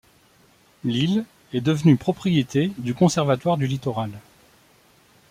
L'île est devenue propriété du Conservatoire du Littoral.